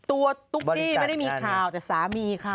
ตุ๊กกี้ไม่ได้มีข่าวแต่สามีค่ะ